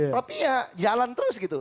tapi ya jalan terus gitu